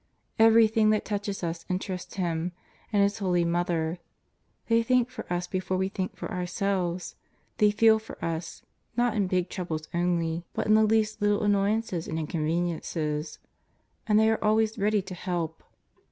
Every thing that touches us interests Him and His holy Mother. They think for us before we think for our selves. They feel for us, not in big troubles only, but JESUS OF NAZARETH. 143 in the least little annoyances and inconveniences. And they are always ready to help.